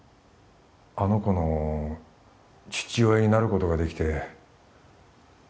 あの子の父親になることができて